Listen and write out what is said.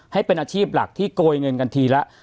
ให้เป็นอาชีพหลักที่โกยเงินกันทีละ